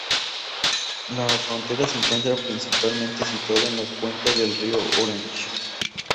La frontera se encuentra principalmente situada en la cuenca del río Orange.